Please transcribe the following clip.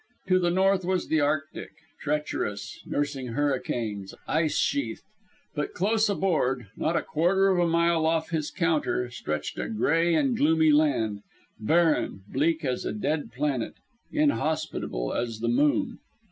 To the north was the Arctic, treacherous, nursing hurricanes, ice sheathed; but close aboard, not a quarter of a mile off his counter, stretched a gray and gloomy land, barren, bleak as a dead planet, inhospitable as the moon.